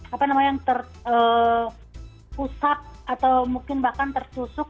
apa namanya yang terpusat atau mungkin bahkan tersusuk